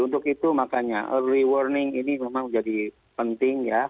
untuk itu makanya early warning ini memang menjadi penting ya